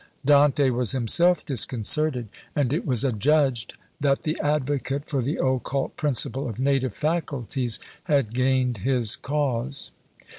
Dante was himself disconcerted; and it was adjudged that the advocate for the occult principle of native faculties had gained his cause.